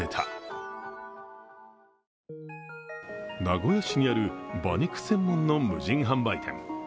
名古屋市にある馬肉専門の無人販売店。